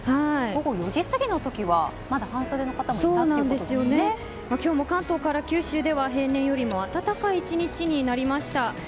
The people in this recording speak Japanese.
午後４時過ぎの時はまだ半袖の方も今日も関東から九州では平年よりも暖かい１日になりました。